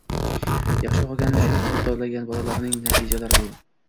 yaxshi o‘qigani uchun pul to‘langan bolalarning natijalari bu.